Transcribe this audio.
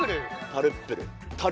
タルップル。